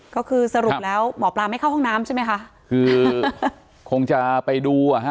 ก็คือสรุปแล้วหมอปลาไม่เข้าห้องน้ำใช่ไหมคะคือคงจะไปดูอ่ะฮะ